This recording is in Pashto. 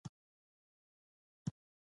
وزې له اوبو سره مینه لري